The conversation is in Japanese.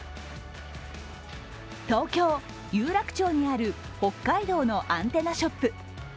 東京・有楽町にある北海道のアンテナショップ。